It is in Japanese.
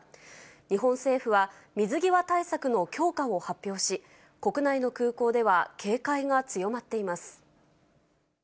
日本政府は、水際対策の強化を発表し、国内の空港では警戒が強まっています。